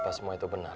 apa semua itu benar